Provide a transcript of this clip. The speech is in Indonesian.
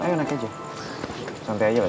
ayo naik aja santai aja lagi